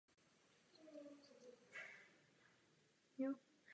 Komise vyzývá íránské úřady, aby opětovně umožnily vydávání časopisu Zanan.